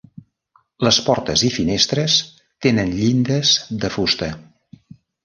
Les portes i finestres tenen llindes de fusta.